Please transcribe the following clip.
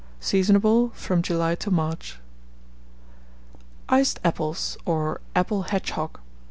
Seasonable from July to March. ICED APPLES, or APPLE HEDGEHOG.